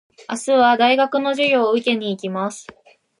明日は大学の授業を受けに行きます。